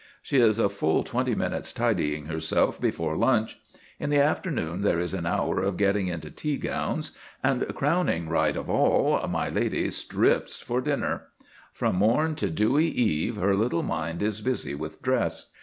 She is a full twenty minutes tidying herself before lunch. In the afternoon there is an hour of getting into tea gowns; and, crowning rite of all, my lady "strips" for dinner. From morn to dewy eve her little mind is busy with dress.